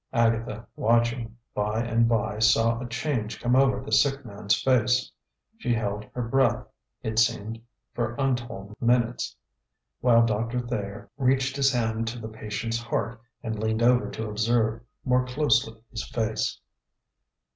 Agatha, watching, by and by saw a change come over the sick man's face. She held her breath, it seemed, for untold minutes, while Doctor Thayer reached his hand to the patient's heart and leaned over to observe more closely his face.